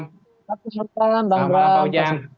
waalaikumsalam pak ujang